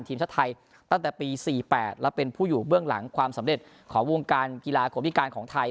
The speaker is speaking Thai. ทีมชาติไทยตั้งแต่ปี๔๘และเป็นผู้อยู่เบื้องหลังความสำเร็จของวงการกีฬาคนพิการของไทย